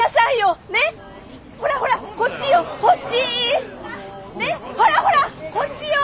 ねっほらほらこっちよ！